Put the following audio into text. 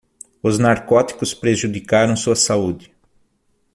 Os narcóticos prejudicaram sua saúde